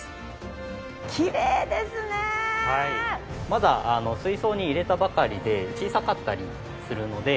まだ水槽に入れたばかりで小さかったりするので。